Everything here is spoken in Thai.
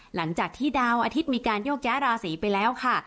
หลังจากที่ดาวอาทิตย์มีการโยกย้ายราศีไปแล้วค่ะ